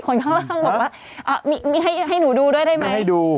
คนข้างล่างบอกว่ามีให้หนูดูด้วยได้ไหมให้ดู